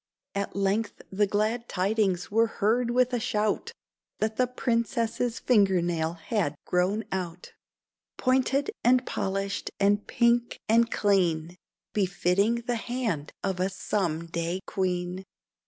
At length the glad tidings were heard with a shout What the princess's finger nail had grown out: Pointed and polished and pink and clean, Befitting the hand of a some day queen.